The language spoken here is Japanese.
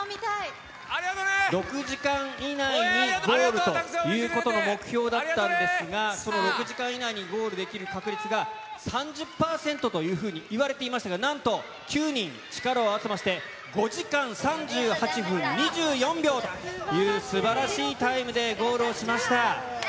６時間以内にゴールということの目標だったんですが、その６時間以内にゴールできる確率が３０％というふうにいわれていましたが、なんと、９人力を合わせまして、５時間３８分２４秒という、すばらしいタイムでゴールをしました。